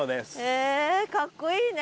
へえかっこいいね。